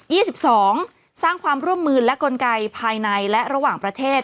ี่สิบสองสร้างความร่วมมือและกลไกภายในและระหว่างประเทศ